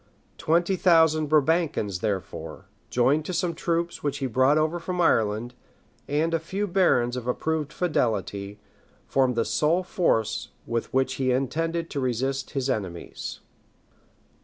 Twenty thousand Brabançons, therefore, joined to some troops which he brought over from Ireland, and a few barons of approved fidelity, formed the sole force with which he intended to resist his enemies.